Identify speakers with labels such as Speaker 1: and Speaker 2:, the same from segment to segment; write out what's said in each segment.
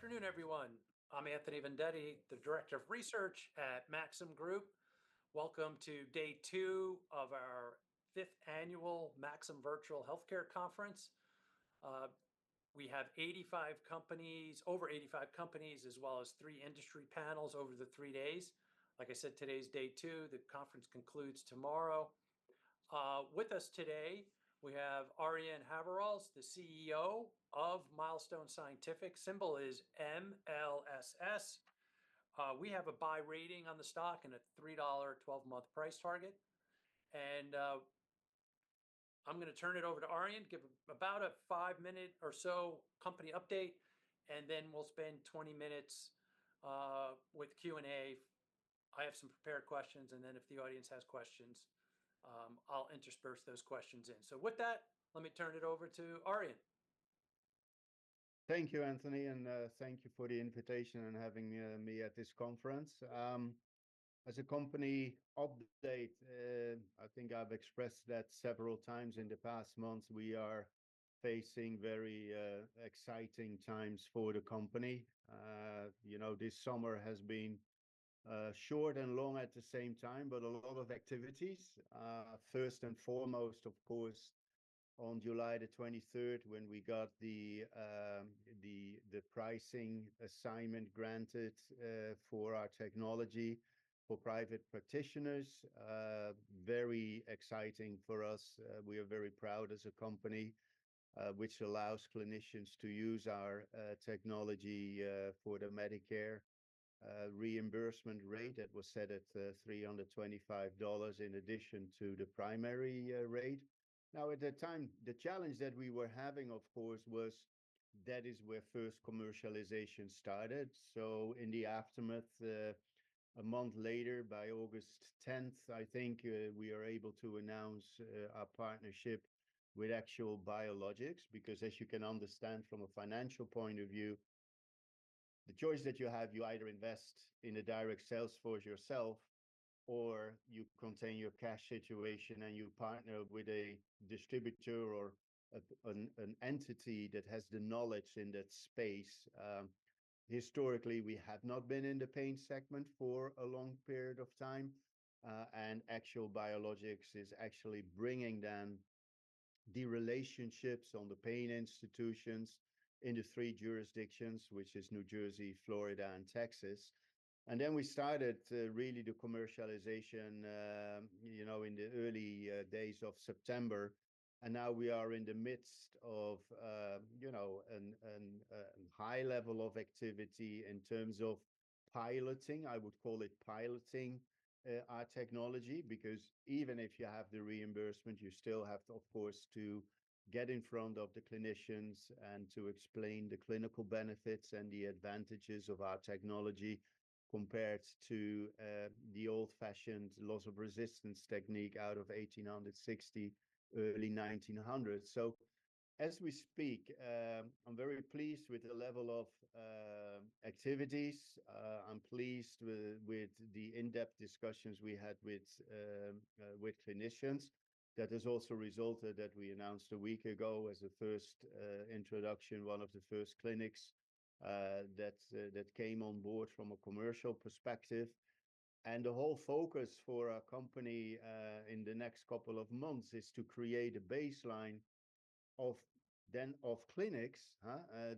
Speaker 1: Good afternoon, everyone. I'm Anthony Vendetti, the Director of Research at Maxim Group. Welcome to day two of our 5th annual Maxim Virtual Healthcare Conference. We have 85 companies, over 85 companies, as well as three industry panels over the three days. Like I said, today is day two. The conference concludes tomorrow. With us today, we have Arjan Haverhals, the CEO of Milestone Scientific. Symbol is MLSS. We have a buy rating on the stock and a $3 twelve-month price target. And I'm gonna turn it over to Arjan. Give about a 5-minute or so company update, and then we'll spend 20 minutes with Q&A. I have some prepared questions, and then if the audience has questions, I'll intersperse those questions in. So with that, let me turn it over to Arjan.
Speaker 2: Thank you, Anthony, and thank you for the invitation and having me at this conference. As a company update, I think I've expressed that several times in the past months, we are facing very exciting times for the company. You know, this summer has been short and long at the same time, but a lot of activities. First and foremost, of course, on July 23rd, when we got the pricing assignment granted for our technology for private practitioners. Very exciting for us. We are very proud as a company which allows clinicians to use our technology for the Medicare reimbursement rate that was set at $325 in addition to the primary rate. Now, at that time, the challenge that we were having, of course, was that is where first commercialization started. So in the aftermath, a month later, by August 10th, I think, we are able to announce our partnership with Axial Biologics, because as you can understand from a financial point of view, the choice that you have, you either invest in a direct sales force yourself, or you contain your cash situation and you partner with a distributor or an entity that has the knowledge in that space. Historically, we have not been in the pain segment for a long period of time, and Axial Biologics is actually bringing then the relationships on the pain institutions in the three jurisdictions, which is New Jersey, Florida, and Texas. And then we started really the commercialization, you know, in the early days of September, and now we are in the midst of, you know, a high level of activity in terms of piloting. I would call it piloting our technology, because even if you have the reimbursement, you still have, of course, to get in front of the clinicians and to explain the clinical benefits and the advantages of our technology compared to the old-fashioned loss of resistance technique out of eighteen hundred and sixty, early nineteen hundred. So as we speak, I'm very pleased with the level of activities. I'm pleased with the in-depth discussions we had with clinicians. That has also resulted that we announced a week ago, as a first introduction, one of the first clinics that came on board from a commercial perspective. And the whole focus for our company in the next couple of months is to create a baseline of then... of clinics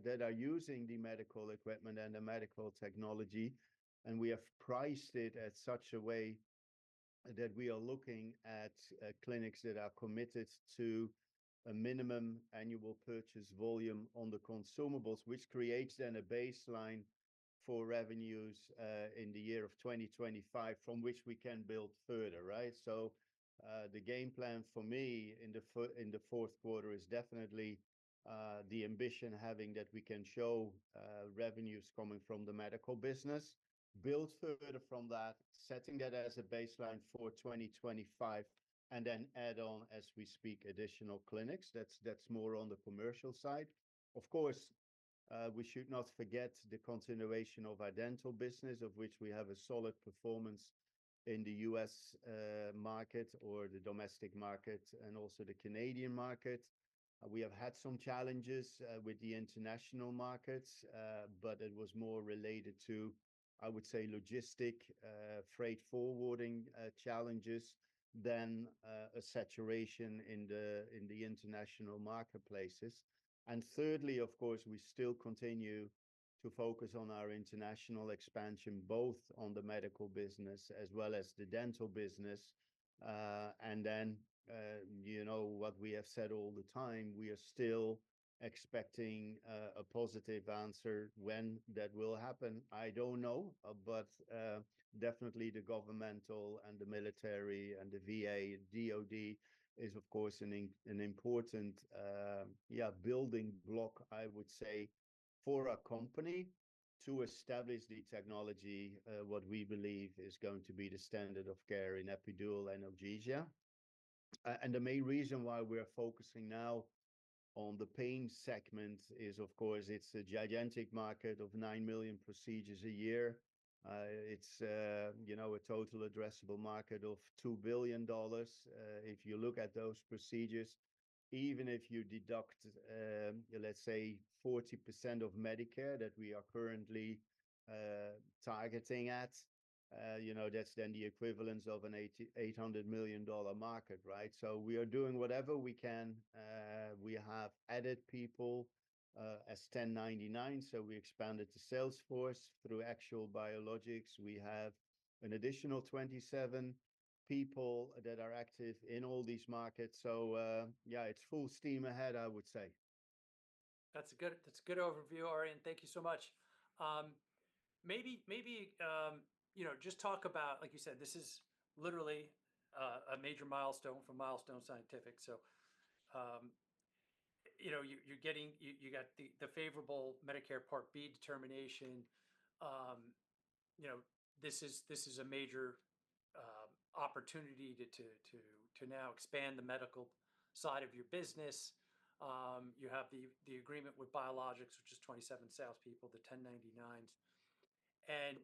Speaker 2: that are using the medical equipment and the medical technology. And we have priced it at such a way that we are looking at clinics that are committed to a minimum annual purchase volume on the consumables, which creates then a baseline for revenues in the year of 2025, from which we can build further, right? So, the game plan for me in the fourth quarter is definitely the ambition, having that we can show revenues coming from the medical business, build further from that, setting that as a baseline for 2025, and then add on, as we speak, additional clinics. That's more on the commercial side. Of course, we should not forget the continuation of our dental business, of which we have a solid performance in the U.S. market or the domestic market, and also the Canadian market. We have had some challenges with the international markets, but it was more related to, I would say, logistics, freight forwarding challenges than a saturation in the international marketplaces. And thirdly, of course, we still continue to focus on our international expansion, both on the medical business as well as the dental business. And then, you know, what we have said all the time, we are still expecting a positive answer. When that will happen, I don't know. But definitely the governmental and the military and the VA, DOD is of course an important, yeah, building block, I would say, for our company to establish the technology, what we believe is going to be the standard of care in epidural analgesia. And the main reason why we're focusing now on the pain segment is, of course, it's a gigantic market of nine million procedures a year. It's you know a total addressable market of $2 billion if you look at those procedures. even if you deduct, let's say 40% of Medicare that we are currently targeting at, you know, that's then the equivalent of an eight hundred million dollar market, right? So we are doing whatever we can. We have added people, as 1099, so we expanded to sales force. Through Axial Biologics, we have an additional 27 people that are active in all these markets. So, yeah, it's full steam ahead, I would say.
Speaker 1: That's a good, that's a good overview, Arjan, thank you so much. Maybe, maybe, you know, just talk about, like you said, this is literally a major milestone for Milestone Scientific. So, you know, you're getting-- you got the favorable Medicare Part B determination. You know, this is a major opportunity to now expand the medical side of your business. You have the agreement with Axial Biologics, which is 27 salespeople, the 1099s. And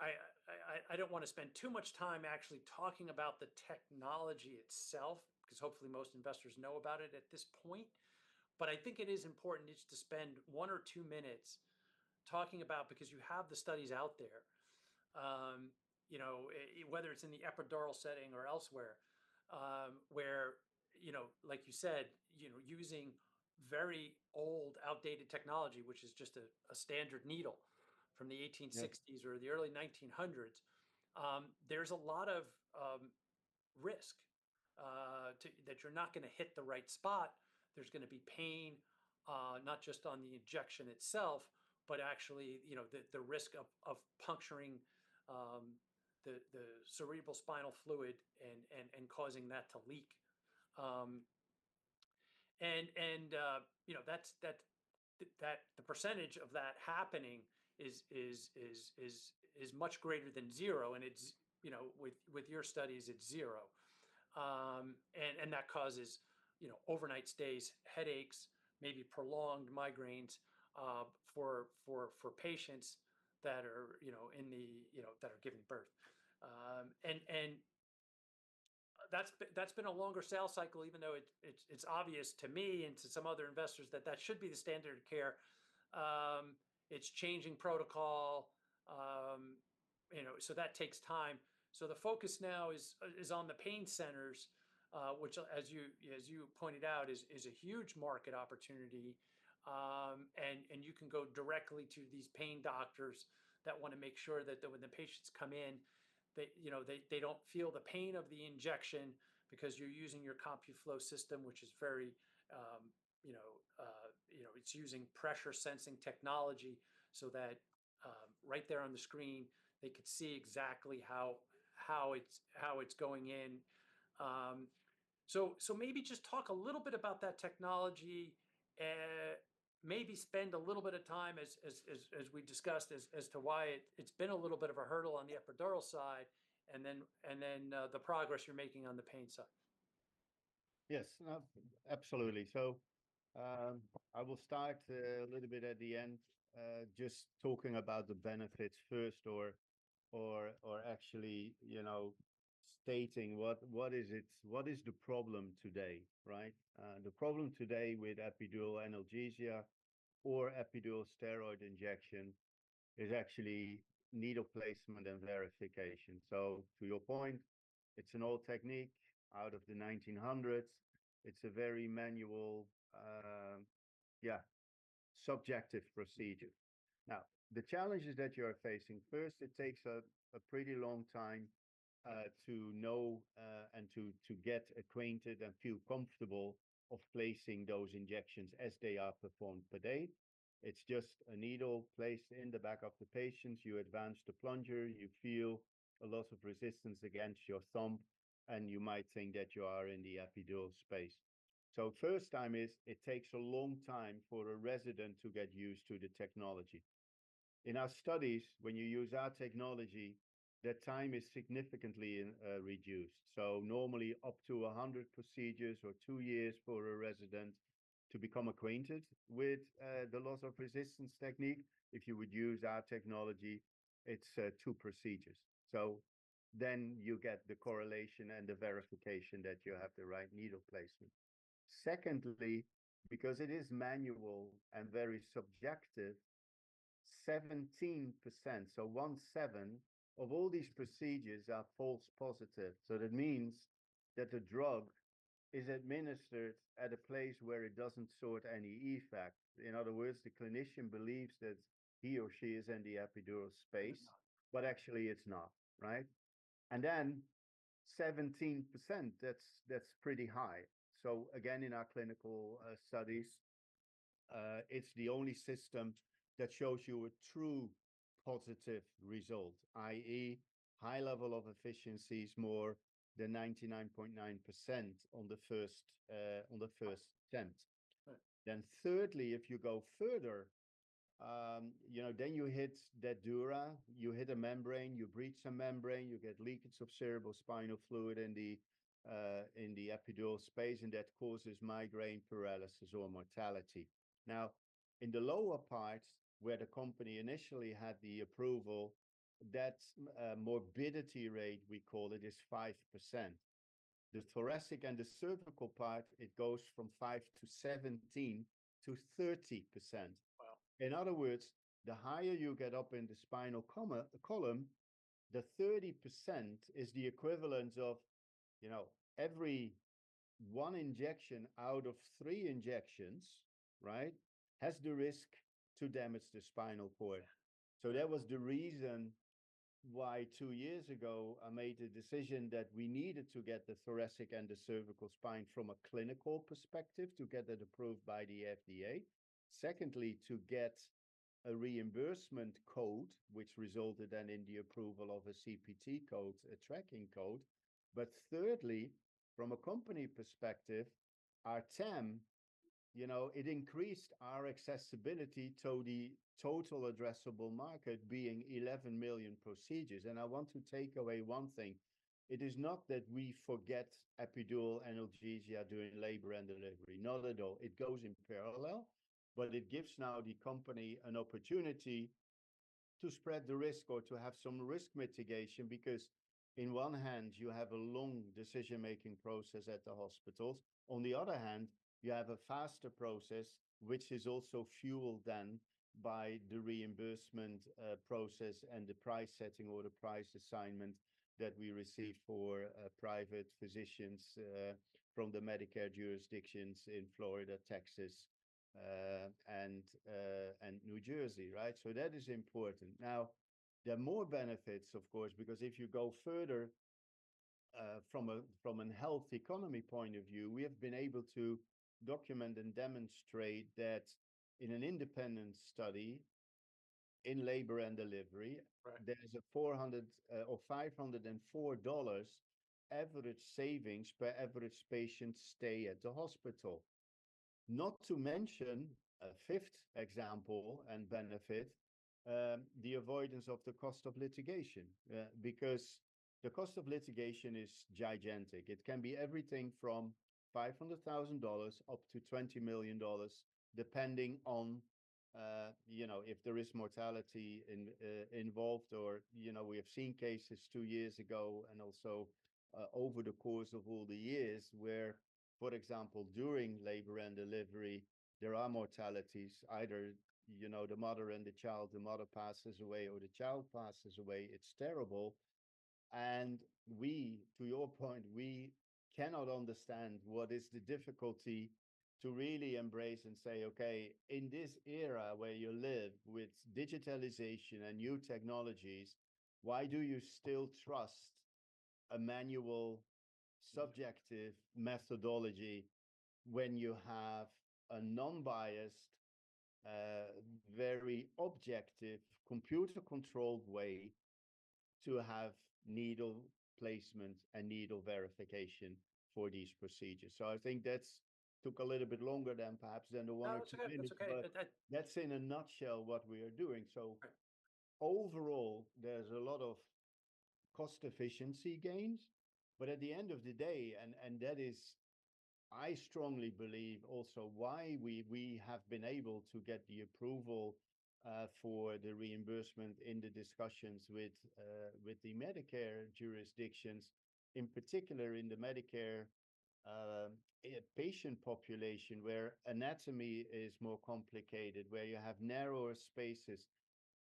Speaker 1: I don't wanna spend too much time actually talking about the technology itself, 'cause hopefully most investors know about it at this point. But I think it is important just to spend one or two minutes talking about, because you have the studies out there, you know, whether it's in the epidural setting or elsewhere, where, you know, like you said, you know, using very old, outdated technology, which is just a standard needle from the 1860s-
Speaker 2: Yeah...
Speaker 1: or the early 1900s, there's a lot of risk that you're not gonna hit the right spot. There's gonna be pain, not just on the injection itself, but actually, you know, the risk of puncturing the cerebral spinal fluid and causing that to leak. You know, that's the percentage of that happening is much greater than zero, and it's, you know, with your studies, it's zero. That causes, you know, overnight stays, headaches, maybe prolonged migraines for patients that are, you know, that are giving birth. That's been a longer sales cycle, even though it's obvious to me and to some other investors that that should be the standard of care. It's changing protocol, you know, so that takes time, so the focus now is on the pain centers, which, as you pointed out, is a huge market opportunity. You can go directly to these pain doctors that wanna make sure that when the patients come in, they, you know, they don't feel the pain of the injection because you're using your CompuFlo system, which is very, you know, it's using pressure-sensing technology so that, right there on the screen, they could see exactly how it's going in. So, maybe just talk a little bit about that technology, maybe spend a little bit of time as we discussed, as to why it's been a little bit of a hurdle on the epidural side, and then the progress you're making on the pain side.
Speaker 2: Yes, absolutely. So, I will start a little bit at the end, just talking about the benefits first or actually, you know, stating what is it-- what is the problem today, right? The problem today with epidural analgesia or epidural steroid injection is actually needle placement and verification. So to your point, it's an old technique out of the 1900s. It's a very manual, subjective procedure. Now, the challenges that you are facing, first, it takes a pretty long time to know and to get acquainted and feel comfortable of placing those injections as they are performed per day. It's just a needle placed in the back of the patients. You advance the plunger, you feel a lot of resistance against your thumb, and you might think that you are in the epidural space. So first time is, it takes a long time for a resident to get used to the technology. In our studies, when you use our technology, the time is significantly reduced, so normally up to a hundred procedures or two years for a resident to become acquainted with the loss of resistance technique. If you would use our technology, it's two procedures. So then you get the correlation and the verification that you have the right needle placement. Secondly, because it is manual and very subjective, 17%, so 17% of all these procedures are false positive. So that means that the drug is administered at a place where it doesn't exert any effect. In other words, the clinician believes that he or she is in the epidural space-
Speaker 1: Wow...
Speaker 2: but actually it's not, right? And then 17%, that's pretty high. So again, in our clinical studies, it's the only system that shows you a true positive result, i.e., high level of efficiency is more than 99.9% on the first attempt.
Speaker 1: Right.
Speaker 2: Then thirdly, if you go further, you know, then you hit the dura, you hit a membrane, you breach some membrane, you get leakage of cerebrospinal fluid in the epidural space, and that causes migraine, paralysis, or mortality. Now, in the lower parts where the company initially had the approval, that morbidity rate, we call it, is 5%. The thoracic and the cervical part, it goes from 5% to 17% to 30%.
Speaker 1: Wow!
Speaker 2: In other words, the higher you get up in the spinal column, the 30% is the equivalent of, you know, every one injection out of three injections, right? Has the risk to damage the spinal cord. So that was the reason why, two years ago, I made the decision that we needed to get the thoracic and the cervical spine from a clinical perspective, to get that approved by the FDA. Secondly, to get a reimbursement code, which resulted then in the approval of a CPT code, a tracking code. But thirdly, from a company perspective, our TAM, you know, it increased our accessibility to the total addressable market being 11 million procedures, and I want to take away one thing: it is not that we forget epidural analgesia during labor and delivery. Not at all. It goes in parallel, but it gives now the company an opportunity to spread the risk or to have some risk mitigation, because on the one hand, you have a long decision-making process at the hospitals. On the other hand, you have a faster process, which is also fueled then by the reimbursement process and the price setting or the price assignment that we receive for private physicians from the Medicare jurisdictions in Florida, Texas, and New Jersey, right? So that is important. Now, there are more benefits, of course, because if you go further from a health economy point of view, we have been able to document and demonstrate that in an independent study, in labor and delivery-
Speaker 1: Right...
Speaker 2: there is a $400 or $504 average savings per average patient stay at the hospital. Not to mention, a fifth example and benefit, the avoidance of the cost of litigation, because the cost of litigation is gigantic. It can be everything from $500,000 up to $20 million, depending on, you know, if there is mortality involved or, you know, we have seen cases two years ago and also, over the course of all the years where, for example, during labor and delivery, there are mortalities, either, you know, the mother and the child, the mother passes away or the child passes away. It's terrible, and we, to your point, we cannot understand what is the difficulty to really embrace and say, "Okay, in this era where you live with digitalization and new technologies, why do you still trust a manual subjective methodology when you have a non-biased, very objective, computer-controlled way to have needle placement and needle verification for these procedures?" So I think that's took a little bit longer than perhaps the one or two minutes-
Speaker 1: No, it's okay.
Speaker 2: But that's in a nutshell what we are doing.
Speaker 1: Okay.
Speaker 2: So overall, there's a lot of cost efficiency gains, but at the end of the day, and that is, I strongly believe also why we have been able to get the approval for the reimbursement in the discussions with with the Medicare jurisdictions, in particular, in the Medicare patient population, where anatomy is more complicated, where you have narrower spaces,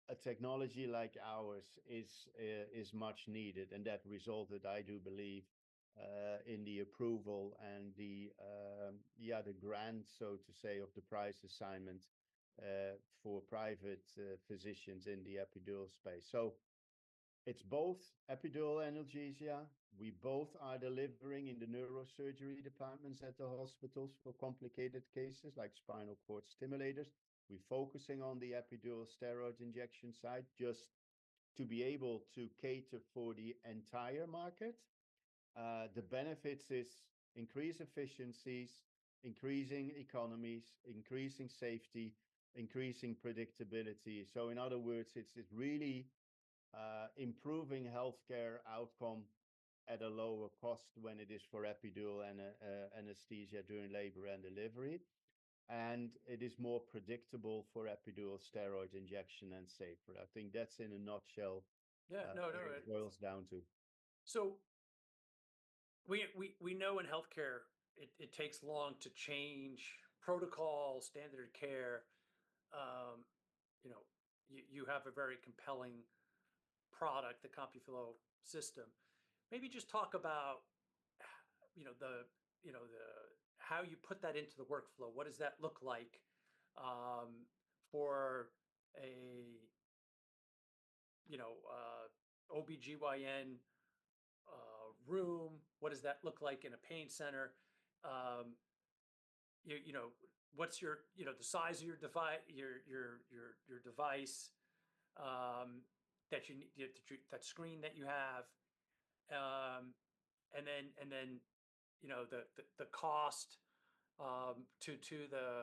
Speaker 2: a technology like ours is much needed, and that resulted, I do believe, in the approval and the other grant, so to say, of the price assignment for private physicians in the epidural space. So it's both epidural analgesia. We both are delivering in the neurosurgery departments at the hospitals for complicated cases, like spinal cord stimulators. We're focusing on the epidural steroid injection side, just to be able to cater for the entire market. The benefits is increased efficiencies, increasing economies, increasing safety, increasing predictability. So in other words, it's, it's really, improving healthcare outcome at a lower cost when it is for epidural anesthesia during labor and delivery, and it is more predictable for epidural steroid injection and safer. I think that's in a nutshell-
Speaker 1: Yeah. No, no, it-
Speaker 2: boils down to.
Speaker 1: So we know in healthcare, it takes long to change protocol, standard care. You know, you have a very compelling product, the CompuFlo system. Maybe just talk about, you know, how you put that into the workflow. What does that look like, for a, you know, OB-GYN room? What does that look like in a pain center? You know, what's your, you know, the size of your device, that you need, that screen that you have, and then, you know, the cost, to the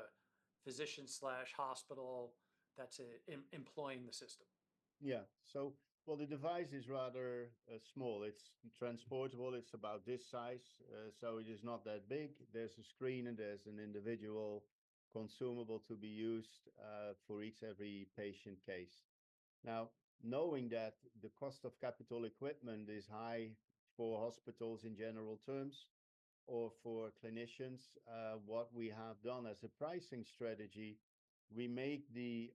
Speaker 1: physician/hospital that's employing the system?
Speaker 2: Yeah. So, well, the device is rather small. It's transportable. It's about this size, so it is not that big. There's a screen, and there's an individual consumable to be used, but for each and every patient case. Now, knowing that the cost of capital equipment is high for hospitals in general terms or for clinicians, what we have done as a pricing strategy, we make the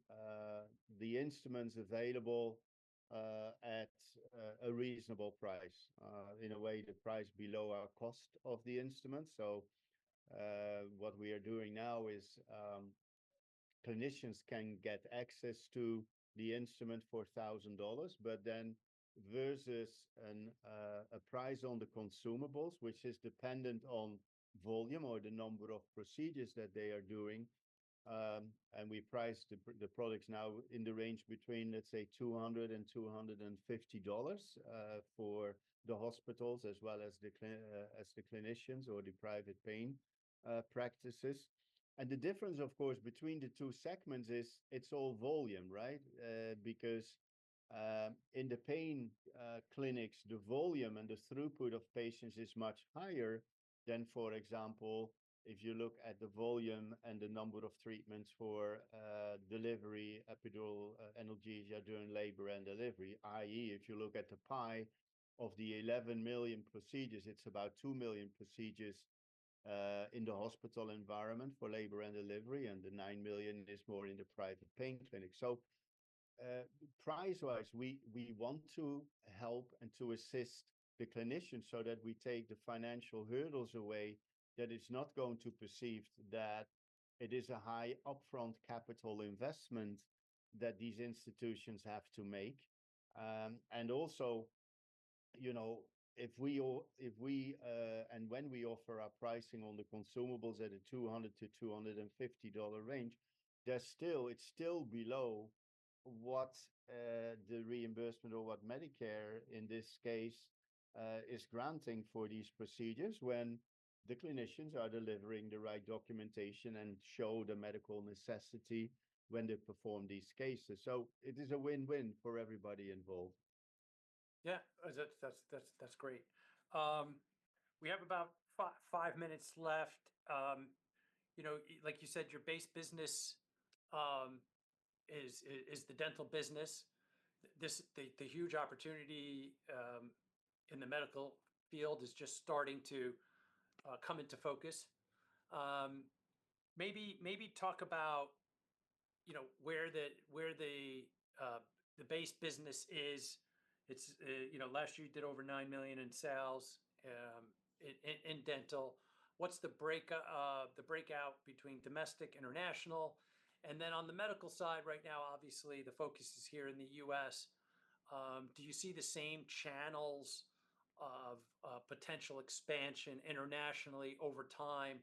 Speaker 2: instruments available at a reasonable price. In a way, the price below our cost of the instrument. So, what we are doing now is, clinicians can get access to the instrument for $1,000, but then versus a price on the consumables, which is dependent on volume or the number of procedures that they are doing. And we price the products now in the range between, let's say, $200 and $250, for the hospitals, as well as the clinicians or the private pain practices. And the difference, of course, between the two segments is it's all volume, right? Because in the pain clinics, the volume and the throughput of patients is much higher than, for example, if you look at the volume and the number of treatments for delivery, epidural analgesia during labor and delivery. i.e., if you look at the pie of the 11 million procedures, it's about 2 million procedures in the hospital environment for labor and delivery, and the 9 million is more in the private pain clinic. Price-wise, we want to help and to assist the clinicians so that we take the financial hurdles away, that it's not going to perceive that it is a high upfront capital investment that these institutions have to make. And also, you know, if we and when we offer our pricing on the consumables at a $200-$250 range, that's still, it's still below what the reimbursement or what Medicare, in this case, is granting for these procedures when the clinicians are delivering the right documentation and show the medical necessity when they perform these cases. It is a win-win for everybody involved.
Speaker 1: Yeah, that's great. We have about five minutes left. You know, like you said, your base business is the dental business. This, the huge opportunity in the medical field is just starting to come into focus. Maybe talk about, you know, where the base business is. It's you know, last year you did over $9 million in sales in dental. What's the breakout between domestic, international? And then on the medical side right now, obviously, the focus is here in the U.S. Do you see the same channels of potential expansion internationally over time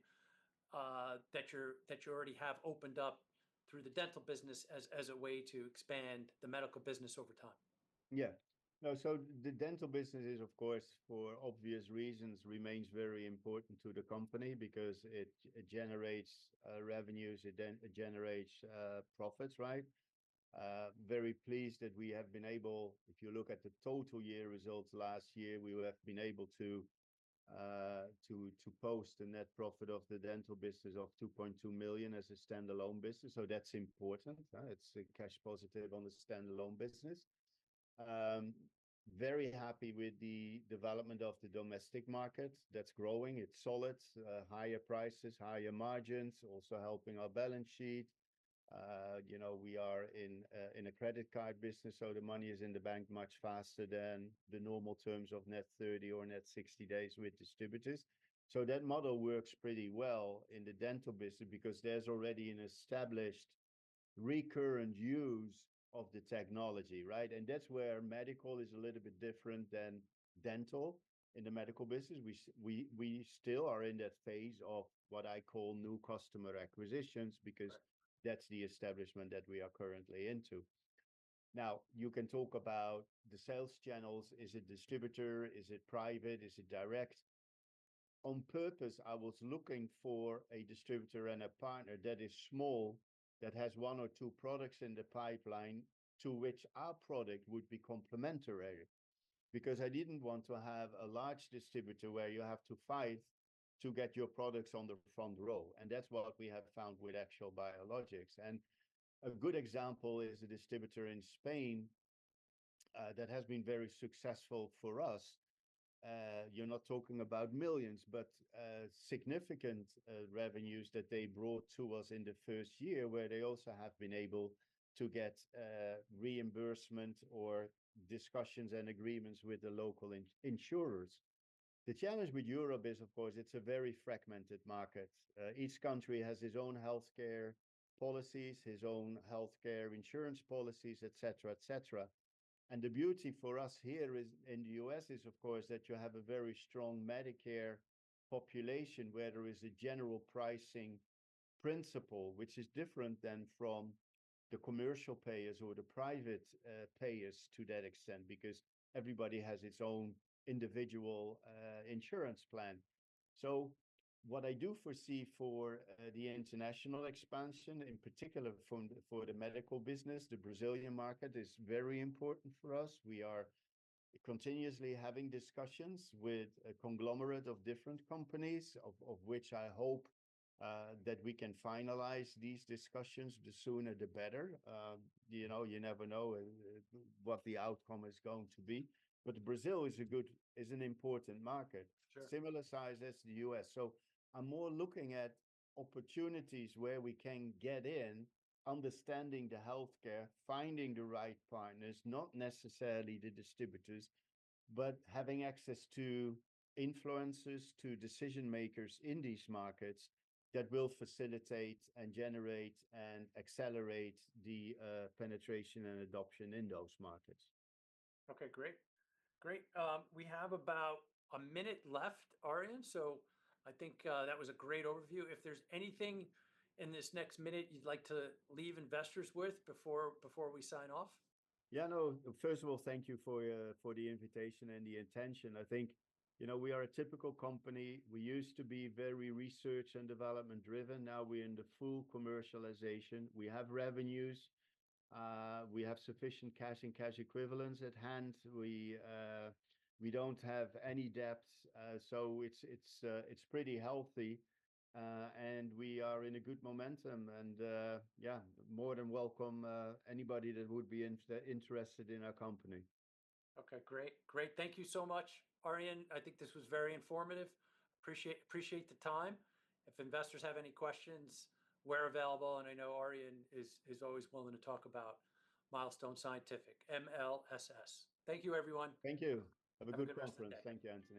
Speaker 1: that you already have opened up through the dental business as a way to expand the medical business over time?
Speaker 2: Yeah. No, so the dental business is, of course, for obvious reasons, remains very important to the company because it generates revenues, it generates profits, right? Very pleased that we have been able to. If you look at the total year results last year, we have been able to post a net profit of the dental business of $2.2 million as a standalone business. So that's important, it's cash positive on the standalone business. Very happy with the development of the domestic market. That's growing, it's solid, higher prices, higher margins, also helping our balance sheet. You know, we are in a credit card business, so the money is in the bank much faster than the normal terms of net 30 or net 60 days with distributors. So that model works pretty well in the dental business because there's already an established recurrent use of the technology, right? And that's where medical is a little bit different than dental. In the medical business, we still are in that phase of what I call new customer acquisitions, because-
Speaker 1: Right...
Speaker 2: that's the establishment that we are currently into. Now, you can talk about the sales channels. Is it distributor? Is it private? Is it direct? On purpose, I was looking for a distributor and a partner that is small, that has one or two products in the pipeline, to which our product would be complementary. Because I didn't want to have a large distributor where you have to fight to get your products on the front row, and that's what we have found with Axial Biologics, and a good example is a distributor in Spain that has been very successful for us. You're not talking about millions, but significant revenues that they brought to us in the first year, where they also have been able to get reimbursement or discussions and agreements with the local insurers. The challenge with Europe is, of course, it's a very fragmented market. Each country has its own healthcare policies, its own healthcare insurance policies, et cetera, et cetera. The beauty for us here is, in the U.S., of course, that you have a very strong Medicare population, where there is a general pricing principle, which is different than from the commercial payers or the private payers to that extent, because everybody has its own individual insurance plan. So what I do foresee for the international expansion, in particular, for the medical business, the Brazilian market is very important for us. We are continuously having discussions with a conglomerate of different companies, of which I hope that we can finalize these discussions, the sooner, the better. You know, you never know what the outcome is going to be. But Brazil is an important market.
Speaker 1: Sure...
Speaker 2: similar size as the U.S. So I'm more looking at opportunities where we can get in, understanding the healthcare, finding the right partners, not necessarily the distributors, but having access to influencers, to decision makers in these markets that will facilitate and generate, and accelerate the penetration and adoption in those markets.
Speaker 1: Okay, great. Great, we have about a minute left, Arjan, so I think that was a great overview. If there's anything in this next minute you'd like to leave investors with before we sign off?
Speaker 2: Yeah, no. First of all, thank you for the invitation and the attention. I think, you know, we are a typical company. We used to be very research and development-driven, now we're in the full commercialization. We have revenues, we have sufficient cash and cash equivalents at hand. We don't have any debts, so it's pretty healthy, and we are in a good momentum, and yeah, more than welcome anybody that would be interested in our company.
Speaker 1: Okay, great. Great, thank you so much, Arjan. I think this was very informative. Appreciate, appreciate the time. If investors have any questions, we're available, and I know Arjan is always willing to talk about Milestone Scientific, MLSS. Thank you, everyone.
Speaker 2: Thank you.
Speaker 1: Have a good rest of the day.
Speaker 2: Have a good conference. Thank you, Anthony.